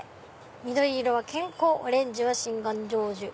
緑色は健康オレンジは心願成就。